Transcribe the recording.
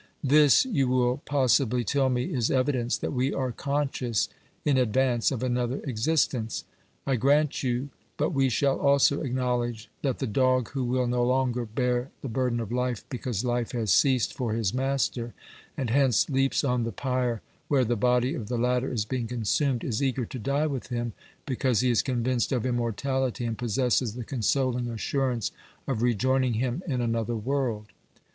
This, you will possibly tell me, is evidence that we are conscious in advance of another existence. I grant you, but we shall also acknowledge that the dog who will no longer bear the burden of life because life has ceased for his master, and hence leaps on the pyre where the body of the latter is being consumed, is eager to die with him, because he is convinced of immortality and possesses the consoling assurance of rejoining him in another world.